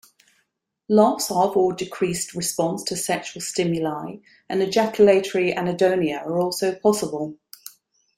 Loss of or decreased response to sexual stimuli and ejaculatory anhedonia are also possible.